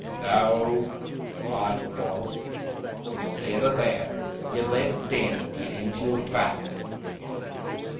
"No," Hod growled. "Instead o' that, ye let Danny git into a fight."